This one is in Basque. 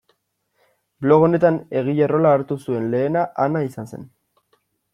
Blog honetan egile rola hartu zuen lehena Ana izan zen.